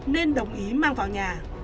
nên đồng ý mang vào nhà